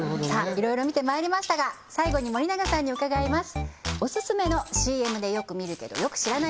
いろいろ見てまいりましたが最後に森永さんに伺います